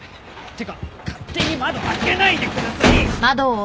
てか勝手に窓開けないでください！